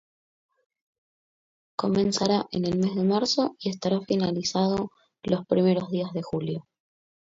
Comenzará en el mes de marzo y estará finalizado los primeros días de julio.